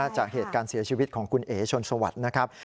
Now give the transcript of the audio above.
จากเหตุการณ์เสียชีวิตของคุณเอ๋ชนสวัสดิ์นะครับ